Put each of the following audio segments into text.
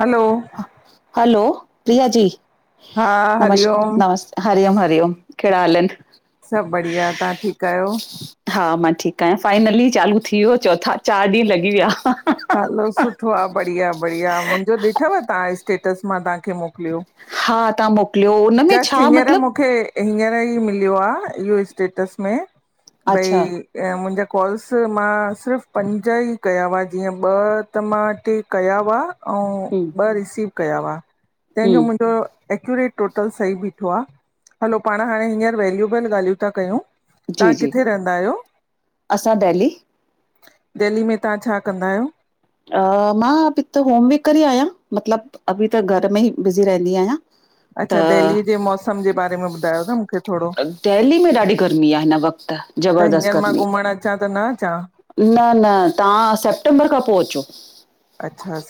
हलो hello Priya ji हा नमश हरिओम नमस्त हरिओम हरिओम कहिड़ा हाल आहिन? सभ बढ़िया, तव्हां ठीकु आहियो? हा मां ठीकु आहियां, फाइनली चालू थी वियो चौथा था चारि ॾींहं लॻी विया हलो, सुठो आ बढ़िया बढ़िया मुंहिंजो ॾिठव तव्हां स्टेटस मां तव्हांखे मोकिलियो? हा तव्हां मोकिलियो हो, उन में जस्ट छा हींअर मतिलब मूंखे हींअर ई मिलियो आ इहो स्टेटस में अच्छा भई मुंहिंजा कॉल्स मां सिर्फ़ु पंज ई कया हुआ जीअं ॿ त मां टे कया हुआ ऐं हम्म ॿ रिसीव कया हुआ तंहिंजो हम्म मुंहिंजो एक्यूरेट टोटल सही बीठो आहे, हलो पाण हाणे हींअर वैेल्यूबल ॻाल्हियूं था कयूं जी तव्हां जी किथे रहंदा आहियो? असां दिल्ली देहली में तव्हां छा कंदा आहियो? हा मां बी त होमवेकर ई आहियां, मतलबु अभी त घर में ई बिज़ी रहंदी आहियां अच्छा दिल्लीअ त जे मौसम जे बारे में ॿुधायो न देहली में ॾाढी गर्मी आहहिन वक़्तु ज़बरदस्त गर्मी। अछा त न अचां? न न तव्हां सेप्टेंबर खां पो अचो अच्छा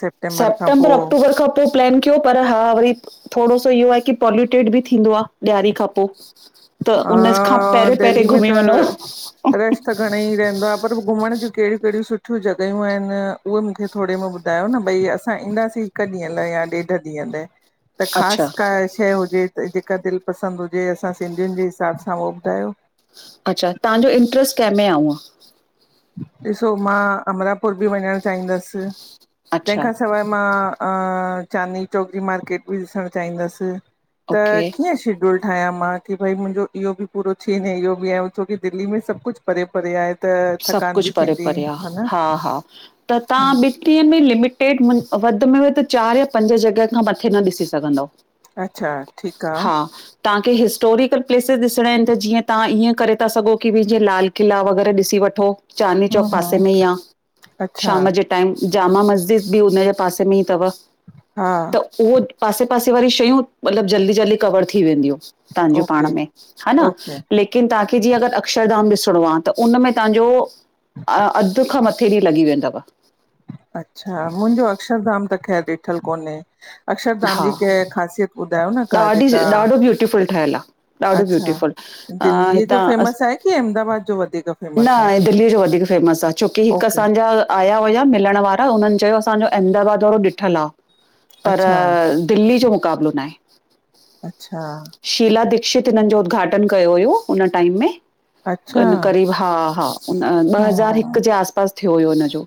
खां सेप्टेंबर पोइ अक्टूबर खां पो प्लैन कयो, पर हा वरी थोरो सो इहो आ की पोॉल्युटेड बि थींदो आ ॾियारी खां पो त उन खां पहिरें पहिरें घुमी वञो। न ई रहंदो आहे पर घुमण जूं कहिड़ियूं कहिड़ियूं सुठियूं जॻहियूं आहिनि, उहे मूंखे थोरे में ॿुधायो ॿुधायो न भई असां ईंदासीं हिकु ॾींहं लाइ या ॾेढ ॾींहं लाइ त ख़ासि अच्छा का शइ हुजे जेका दिलि पसंदि हुजे असां सिंधी जे हिसाब सां उहो ॿुधायो अच्छा तव्हांजों इंटरेस्ट कंहिं मे आ हुअं? ॾिसो मां अमरापुर बि वञण चाहींदसि। अच्छा तहिंखां सवाइ मां अ--चांदनी चौक जी मार्केट बि ॾिसणु चाहींदसि त ओके कीअं शे ड्युल ठाहिंआ मां की भई मुंजो इहो बि पूरो थिए ने इहो बि आहे छो की दिल्ली में सभु कुझु परे परे आहे त सभु थकान कुझु बि परे थींदी परे आ। न हा हा त तां ॿिटिन में लिमिटेड मु वधि में वधि चारि या पंज जॻहि खां मथे न ॾिसी सघंदव। अच्छा ठीक आ। हा तव्हांखे हिस्टोरिकल प्लेसेस ॾिसणा आहिन त जीअं तां इएं करे था सघो की जीअं लाल किला वग़ैरह ॾिसी व ठो चांदनी हूं चौक पासे हूं में ई आ अच्छा शाम जे टाइम जामा मस्जिद बि हुनजे पासे में ई तव हा इहो पासे पासे वारी शयूं मतलबु जल्दी जल्दी कवर थी वेंदियूं आ तव्हांजो पाण ओके में। हा न ओके लेकिन तव्हांखे जीअं अक्षरधाम ॾिसणो आ त उन में तव्हांजो अधु खां मथे ॾींहुं लॻी वेंदव। अच्छा मुंहिंजो अक्षरधाम त ख़ैरु ॾिठल कोन्हे अक्षरधाम हा जी [unintelligible] ख़ासियत ॿुधायो न का ॾाढी जेका ॾाढो ब्यूटीफुल ठहियल आ। ॾाढो अच्छा ब्यूटीफुल अ दिल्लीअ जो हितां फेमस आहे? कि अहमदाबाद जो वधीक न फेमस आहे दिल्लीअ जो वधीक फेमस आहे छोकी हिकु ओके असांजा आया हुआ मिलण वारा हुननि चयो असांजो अहमदाबाद वारो ॾिठलु आ। पर अच्छा दिल्ली जो मुक़ाबिलो नाहे। अच्छा शीला दिक्षित हिननि जो उद्घाटन कयो हुयो हुन टाइम में अच्छा ॻन क़रीब हा हा उन ॿ हा हज़ार हिकु जे आस पास थियो हुयो इनजो।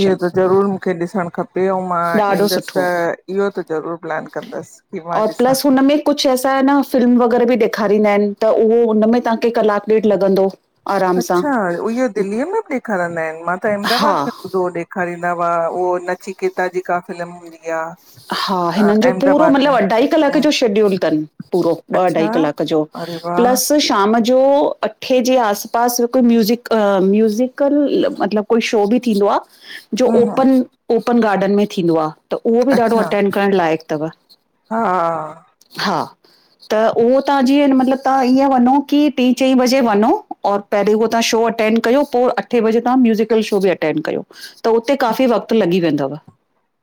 इहो त ज़रूर मूंखे ॾिसणु खपे अउं मां ॾाढो ईंदसि सुठो त इहो त ज़रूर प्लान कंदसि। की मां ॾिसां छ सा हे न फिल्म वग़ैरह बि ॾेखारींदा आहिनि त उहो हुनमें तव्हांखे कलाकु ॾेढ लॻंदो आराम सां अच्छा! उ इहे दिल्लीअ में बि ॾेखारंदा आहिनि मां त अहमदाबाद हा में ॿुधो हो ॾे खारींदा हुआ उहो नचिकेता जेका फिल्म हूंदी आ हा हिननि जो पूरो मतिलबु अढाई कलाक जो शेड्यूल तनि पूरो ॿ अढाई अच्छा कलाक जो। अरे वा प्लस शाम जो अठे जे आस पास हिकु म्यूज़िक अ म्यूज़िकल मतिलबु कोई शो बि थींदो आ जो हम्म हम्म ओपन ओपन गार्डन में थींदो आ त उहो बि ॾाढो अच्छा अटैंड करण लाएक तव हा हा। त उहो तव्हां जीअं मतलबु तव्हां ईअं वनो की टीं चईं बजे वनो। और पहिरीं उह तव्हां शो अटेंड कयो पो अठे बजे तव्हां म्यूज़िकल शो बि अटेंड कयो। त उते काफ़ी वक़्तु लॻी वेंदव।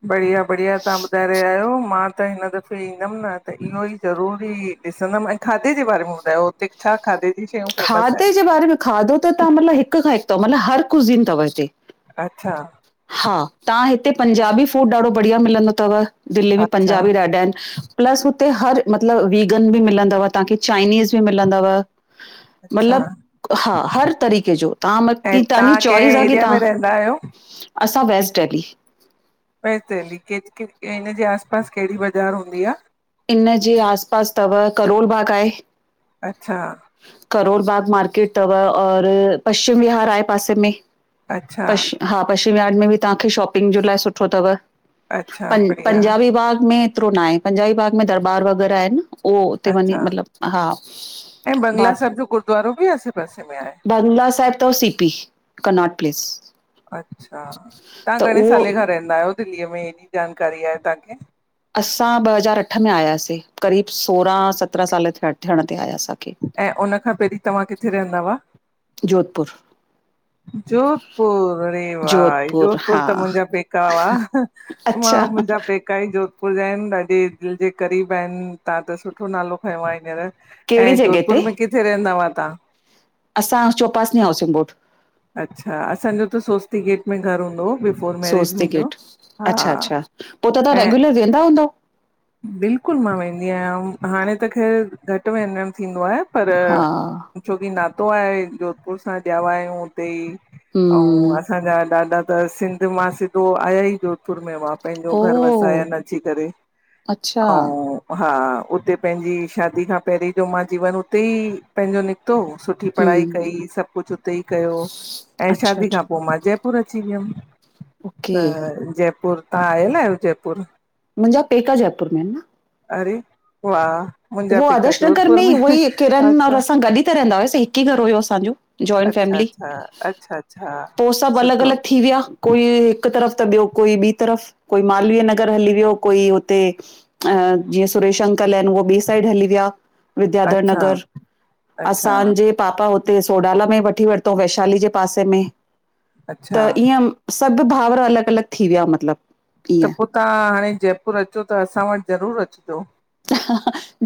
बढ़िया बढ़िया तव्हां ॿुधाए रहिया आहियो मां त हिन द [unintelligible] ईंदमि न त इहो ई ज़रूरी ॾिसंदमि ऐं खाधे जे बारे में ॿुधायो हुते छा खाधे जी शयूं फेमस खाधे आहिनि? जे बारे में खाधो त तव्हां मतलबु हिक खां हिकु तव मतिलबु हर कुझीन थव हिते अच्छा। हा तव्हां हिते पंजाबी फूड ॾाढो बढ़िया मिलंदो तव दिल्लीअ में अच्छा पंजाबी ॾाढा आहिनि। प्लस हुते हर मतिलबु वीगन बि मिलंदव तव्हांखे चाइनीज़ बि मिलंदव। अच्छा मतलब हा हर तरीक़े जो तव्हां म ऐं की तव्हांजी तव्हां चॉइस आ कंहिं की एरिया में तव्हां रहंदा आहियो? असां वेस्ट डेली ऐं देली [unintelligible] हिन जे आस पास कहिड़ी बाज़ार हूंदी आ? इन जे आस पास अथव करोल बाग़ आहे। अच्छा। करोल बाग मार्केट तव और पश्चिम विहार आ पासे में। अच्छा। पश हा। पश्चिमियाार्ड में बि तव्हांखे शॉपिंग जे लाइ सुठो तव। अच्छा पं बढ़िया पंजाबी बाग में हेएतिरो न आ, पंजाबी बाग में दरबार वग़ैरह आहिनि। उह त मञानी अच्छा मतलब हा ऐं बंगला ब। साहिब जो गुरुद्वारो बि आसे पासे में आहे? बगला साहिब तव सीपी कर्नाट प्लेस। अच्छा। तव्हां त घणे उहो साले खां रहंदा आहियो दिल्लीअ में हेॾी जानकारी आ तव्हांखे। असां ॿ हज़ार अठ में आयासे क़रीब सोरहं सत्रहं साल थिया थियण ते आयास। ऐं उनखां पहिरीं तव्हां किथे रहंदा हुआ। [inaudible] जोधपुर रे वाई जोधपुर त मुंहिंजा पेका हुआ। मां अच्छा। मुंहिंजा पेका ई जोधपुर जा आहिनि। ॾाढे दिलि जे क़रीब आहिनि। तव्हां त सुठो नालो खयों आ हींअर। कहिड़ी ऐं! जॻह जोधपुर ते में किथे रहंदा हुआ तव्हां? असां, चौपासींनी हाउसिंग बोर्ड। अच्छा! असांजो त सोस्ती गेट में घरु हूंदो हो। बिफोर मैरिज सोस्ती मुंहिंजो। गेट, अच्छा, हा अच्छा! पोइ त तव्हां ऐं रेग्युलर वेंहदा हूंव? बिल्कुलु मां वेंदी आहियां। हाणे त ख़ैरु! घटि विञण थींदो आहे। पर, हा छोकी नातो आहे। जोधपुर सां जॼिवा आहियूं हुते। ई ऐं, हम्म असांजा ॾाॾा त सिंध मां सिधो आया। ई जोधपुर में होवा। पंहिंजो घर ओ वसायनि अची करे। अच्छा ऊहु, हा, उते पंहिंजी शादी खां पहिररीं जो मां जीवन उते ई पंहिंजो निकितो। सुठी पढ़ाई हम्म कई, सभ कुछ उते ई कयो। ऐ अच्छा शादी खां अच्छा पोइ मां जयपुर अची वियम। त ओके जयपुर, तव्हां आयल आहियो जयपुर? मुंहिंजा पेका जयपुर में आहिनि न। अरे वाह। मुंहिंजा उहो पेका आदर्श नगर जोधपुर में ई उहो ई किरन र अच्छा असां गॾु ई ता रहंदा हुआसीं हिकु ई घर हुयो असांजू। जॉइंट अच्छा फैमिली अच्छा अच्छा अच्छा पोइ सभु अलॻि सुठो अलॻि थी विया कोई। हिकु तरफ़ त, ॿियो कोई ॿी तरफ़, कोई मालवीय नगर हली वियो कोई हुते। अ जीअं, सुरेश अंकल आहिनि उहे ॿिए साइड हली विया। विधियाधर अच्छा नगर अच्छा असांजे पापा हुते सोडाला में वठी वरितों वैशाली जे पासे में त अच्छा ईअं। सत भाउर, अलॻि अलॻि थी, विया मतिलबु। त ईअं पोइ तव्हां हाणे, जयपुर अचो त। असां वटि ज़रूर अचिजो।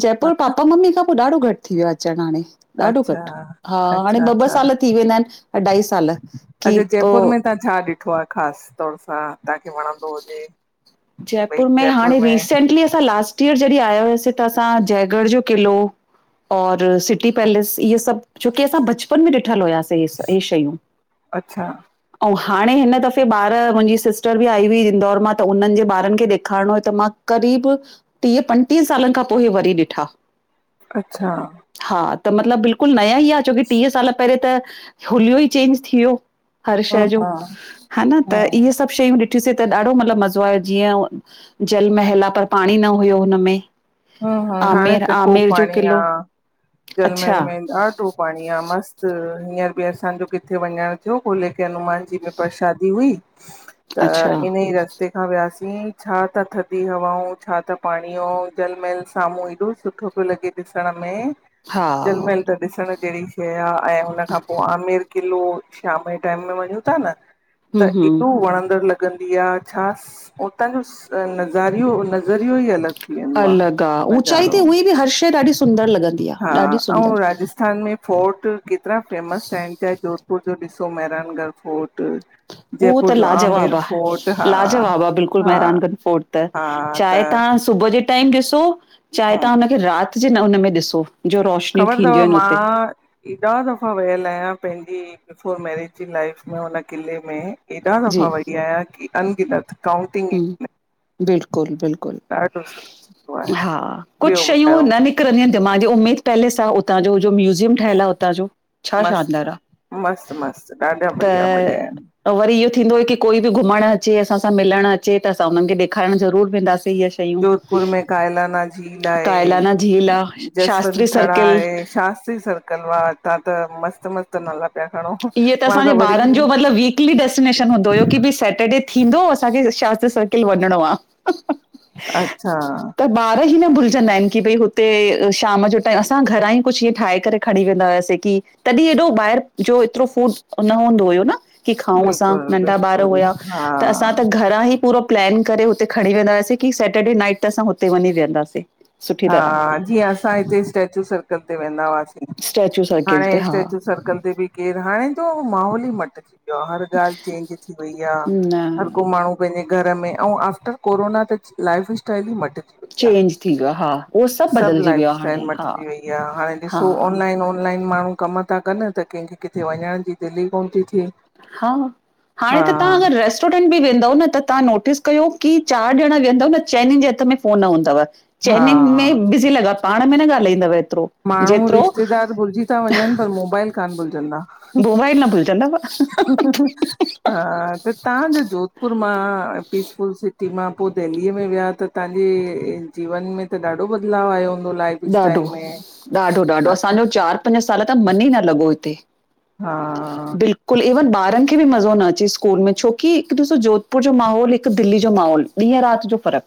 जयपुर, पापा मम्मी खां पोइ ॾाढो घटि थी। वियो आहे, अचण हाणे। ॾाढो अच्छा घटि हा। हाणे अच्छा ॿ ॿ अच्छा साल थी, वेंदा आहिनि, अढाई साल की पोइ। त छा ॾिठो आहे, ख़ासि तौर सां। तव्हांखे वणंदो हुजे? की भई जयपुर, में हाणे में रीसेंटली, असां लास्ट, ईहो जॾहिं आया हुयास, त असां जयगढ़, जो किलो। और सिटी पैलेस, इहे सभु छोकी असां, बचपन में ॾिठल हुयास। अच्छा अहो हाणे, हिनदाफे जे बाहरि मुंहिंजी सिस्टर बि आई। इंदौर, मां त उन्हनि जे ॿारनि खे ॾेखारणो, त मां क़रीब टीह, पंजटीह सालनि खां पोइ इ वरी ॾिठा। अच्छा! हा, त मतिलब, बिल्कुलु नया ई आ, छोकि टीह साल पहिरियों त हुलियो ई चेंज थी वियो। हर शै ह जो, हा है न त हा इहे सभु शयूं ॾिसीं त ॾाढो मतिलबु मज़ो आयो, जीअं जल महल आहे, पर पाणी न हुयो हुनमें। हा हा, हाणे त खूब पाणी आ किलो जलमल अच्छा में, यार ॾाढो पाणी आ मस्तु, हींअर बि असांजो किथे वञणु थियो खोले के हनुमान जी में पर्रसादी हुई। त, अच्छा इन ई रस्ते ते खां वियासीं, छा त थदी हवाऊं, छा त पाणी हो जलमल साम्हूं एॾो सुठो पियो लॻे ॾिसण में, हा जलमहल त ॾिसण जहिड़ी शै आ, ऐं हुन खां पो आमेर किलो, शाम जे टाइम में वंञू था न, हम्म त हम्म एॾो वणंदड़ लॻे छा उतां, जो नज़ारियो नज़रियो ई अलॻि थी वेंदो आ। का, ऊचाई ते ऊअंई बि हर शै ॾाढी सुंदर लॻंदी आ, हा ॾाढी सुंदर। ऐं राजस्थान में फोर्ट, केतिरा फेमस आहिन, चाहे जोधपुर जो ॾिसो मैरानगढ़ फोर्ट। उहो जयपुर त जो लाजवाब आमेर आ, फोर्ट हा लाजवाब आ, बिल्कुलु हा मेरानगंज फोर्ट त, हा त चाहे तहां सुबुह जी टाइम ॾिसो, चाहे तहां हुनखे राति जे न हुनम में ॾिसो जो रोशनियूं ख़बर अथव थींदियूं आहिन हुते। मां एॾा दफ़ा वियल आहियांपंहिंजी बिफोर मैरिज जी लाइफ में हुन किले में ऐॾा जी दफ़ा वई आयां कि अनगिनत। काउंटिंग हम्म, बिल्कुलु बिल्कुलु, ॾाढो सुठो आहे हा कुछ ॿियो शयूं ॿुधायो न निक रंदी आ उतां जी, उमेद पैलेस आ उतां जो, म्यूज़ियम ठहियल आ हुतां जो, छा शानदार मस्तु आ मस्तु मस्तु ॾाढा बढ़िया बढ़िया त आहिनि ऐं वरी इहो थींदो हु ओ कोई बि घुमण अचे, असां सां मिलण अचे त असां हुननि खे ॾेखारण ज़रूरु वेंदासीं इहा शै जोधपुर में कायलाना झील आहे कायलाना झील आ जसवंत शास्त्री थरा सर्किल आहे, शास्त्री सरक कलवां, तां त मस्त- मस्त नाला पिया खणो मां त वरी हिकली डेस्टिनेशन हूंदो हुयो कि भई सैटरडे थींदो असांखे शास्त्री सर्किल वंञिणो आ। ह [inaudible] अच्छा! त ॿार ई न भुलजंदा आहिन कि भई हुते शाम जो टाइम असां घरां ई कुछु ईअं ठाहे करे खणी वेंदा हुआसीं कि तॾहिं हेॾो ॿाहिर जो एतिरो फूड न हूंदो हुयो न। कि खाऊं असां, बिल्कुलु नंढा ॿार बिल्कुलु हुया त असां हा त घरां ई पूरो प्लैन करे हुते खंणी वेंदा हुआसीं कि सेटरडे नाइट ते असां हुते वंञी वेहंदासीं। सुठी तरह हा जीअं असां हिते स्टेचू सर्कल ते वेंदा हुआसीं। स्टैचू सर्किल ते हाणे हा स्टेचू सर्कल ते बि केरु हा, णे जो माहौल ई मटजी वियो आ, हर ॻाल्हि चेंज थी वई आ, न हर को माण्हू पंहिंजे घर में, ऐं आफ्टर कोरोना त लाइफ स्टाइल ई मटिजी वई आहे चेंज थी वियो आ, हा। उहो सभु बदिलजी लाइफ वियो आहे स्टाइल हाणे हा मटिजी वई आ, हाणे ॾिसो हा ऑनलाइन- ऑनलाइन माण्हू कम था कनि त कंहिंखे किथे वञण जी दिल ई कोन थी थिए। हा, हाणे हा त तां अगर रेस्ट स्टोरेंट बि वेंदव न त तहां नोटिस कयो कि चार ॼणा वेयंदव न चइनिन जे हथ में फ़ोन हूंदव। हा चइनिन में बिज़ी लॻा पाण में न ॻाल्हाईंदव एतिरो। माण्हू जेतिरो रिश्तेदार भुलिजी था वंञनि पर मोबाइल कोन भुलजंदा। मोबाइल न भुलजंदा। [inaudible] त तहां जे जोधपुर मां पीसफुल सिटी मां पो देहली में विया त तव्हांजे जीवन में त ॾाढो बदलाव आयो हूंदो लाइफ ॾाढो, स्टाइल में ॾाढो-ॾाढो हा असांजो चार पंज साल त मन ई न लॻो हिते हा बिल कुल इवन ॿारनि खे बि मज़ो न अचे स्कूल में छोकी हिकु ॾिसो जोधपुर जो माहौल हिकु दिल्ली जो माहौल ॾींहं राति जो फ़रक,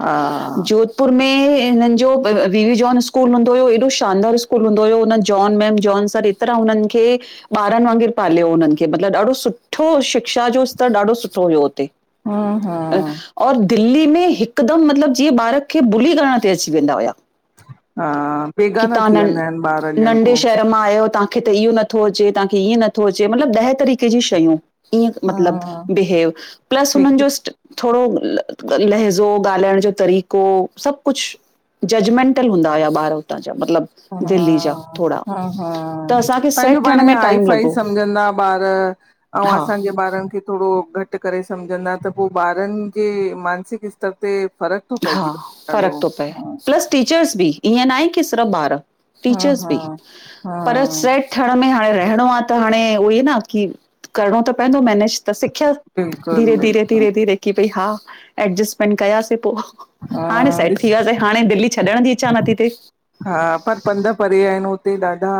हा जोधपुर में हिननि जो त वी वी जोॉन स्कूल हूंदो हुओ एॾो शानदार स्कूल हूंदो हुओ उन जॉन मैम जॉन सर एतिरा हुननि खे ॿारनि वांगुरु पालियो हुननि खे मतिलबु ॾाढो सुठो शिक्षा जो स्तर ॾाढो सुठो हुयो हुते। हा हा, अ, और दिल्ली में हिकदमि मतिलबु जीअं ॿारक खे बुली करण ते अची वेंदा हुया। हा, कि बेगाना तहां थी न वेंदा आहिनि ॿार ॼण नंढे को शहर मां आयो तव्हां। कि त इहो नथो अचे व्हांखे ईअं नथो अचे मतिलबु ॾह तरीक़े जी शयूं ईअं हा मतलबु बिहेव प्लस हुननि हिकु जो थोरो लहज़ो ॻाल्हाइण जो तरीक़ो सभु कुझु जजमेंटल हूंदा हुआ ॿार हुतां जा मतिलब। हा, हा हा, त असांखे पांजो सेट पाण थियण खे में हाई टाइम फाई लॻो सम्झंदा ॿार आऊं हा असांजे ॿारनि खे थोरो घटि करे सम्झंदा त पो ॿारनि जे मानसिक स्तर ते फ़रक हा फ़रक थो पए प्लस टीचर्स बि ईअं न आहे की सिर्फ़ु ॿार हा टीचर्स हा बि पर हा से थण में हाणे रहणो आ त हाणे उहे ई न की करिणो त पइंदो मैनेज त सिख धीरे बिल्कुलु धीरे बिल्कुलु धीरे धीरे की भई हा एडजस्टमेंट कयासीं पो हा हाणे सेट थी ॾिस वियासे, हाणे दिल्ली छॾण जी इच्छा नथी थे। हा पर पंध परे आहिन हुते ॾाढा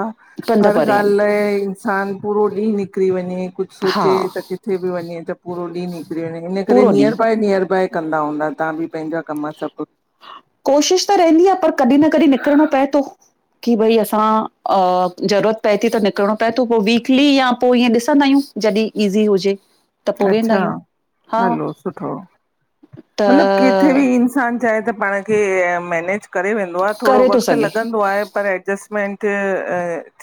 पंध हर परे आहिनि ॻाल्ह लाइ इंसान पूरो ॾींहं निकिरी वञे कुझु हा सोेचे त किथे बि वञे त पूरो ॾींहं नि इन करे पूरो ॾींहुं निअर बाए निअर बाए कंदा हूंदा तव्हां बि पंहिंजा कम सभु कोशिश त रहंदी आ पर कॾहिं न कॾहिं निकिरणो पए थो कि भई असां अ ज़रूरत पए थी त निकिरणो पए थो पो वीकली या पो ईअं ॾिसंदा आयूं। जॾी ईज़ी हुजे। त पोइ वेंदा अच्छा, आहियूं हा हलो सुठो त मतिलब किथे बि इं इंसानु चाहे त पाण खे अ मैनेज करे वेंदो आ थोरो करे थो वक़्तु सघे लॻंदो आहे। पर एडजस्टमेंट अ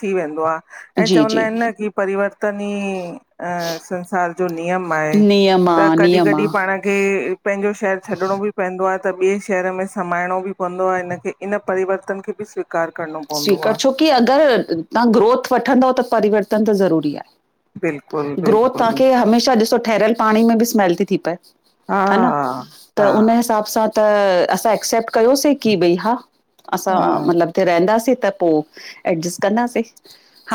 थी वेंदो आ ऐं जी चवंदा जी आहिनि न की परिवर्तन ई अ संसार जो नियम आए नियम त आ, नियम कॾीं-कॾीं आ। पा पाण खे पांजो शहरु छॾिणो बि पवंदो आहे त ॿिए शहर में समाइणो बि पवंदो आ हिन खे इन परिवर्तन खे बि स्वीक कार करणो स्वीकार छो की अगरि तव्हां ग्रोथ वठंदव त परिवर्तन त ज़रूरी आ। बिल्कुलु ग्रोथ बिल्कुलु तव्हांखे हमेशा ॾिसो ठहरयल पाणी में बि स्मेल थी थी पए। हा न, त हा हुन हिसाब सां त असां एक्सेप्ट कयोसीं की भई हा असां हा मतिलब ते रहंदासीं। त पो एडजस्ट कंदासे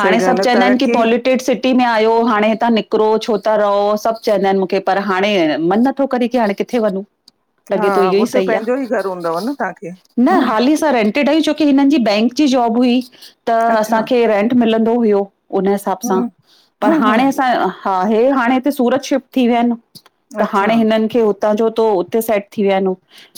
सही सब ॻाल्हि आहे चवंदा इन तरक़ी पालि टेड सिटी में आयो हाणे हितां निकिरो छो था रहो सभु चवंदा आहिनि मूंखे पर हाणे मन नथो करे की हाणे कि थे वञूं हा लगे थो इहो ई हुते सही आ, पंहिंजो ई घर हूंदव न तव्हांखे न हाली रेंटेड आयूं छोकी हिनन जी बैंक जी जॉब हुई त अच्छा असांखे रेंट मिलंदो हुयो उन हिसाब सां हम्म, पर हम्म, हाणे हम्म, असां हा हे हाणे हिते सूरत शिफ्ट थी विया आहिनि, त अच्छा हाणे हिननि खे हु उतां जो त उते सेट थी वियानि हो।